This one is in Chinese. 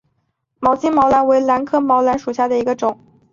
高茎毛兰为兰科毛兰属下的一个种。